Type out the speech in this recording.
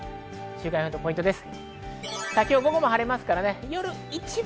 週間予報とポイントです。